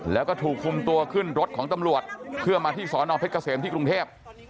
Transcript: แล้วก็ถูกคุมตัวขึ้นรถของตำรวจเคลื่อมาที่สพวน้ำเย็นที่กรุงเทพฯ